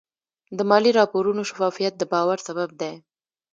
د مالي راپورونو شفافیت د باور سبب دی.